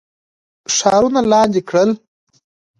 ښارونه لاندي کړل.